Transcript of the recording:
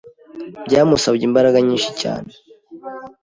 byamusabye imbaraga nyinshi cyane